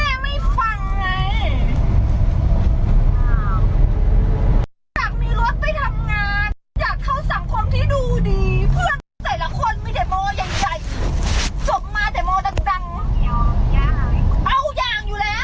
เอาอย่างอยู่แล้วมันทำตัวขี้คอกอยู่ได้